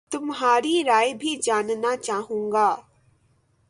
تمہاری رائے بھی جاننا چاہوں گا